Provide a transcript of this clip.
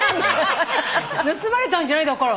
盗まれたんじゃない？だから。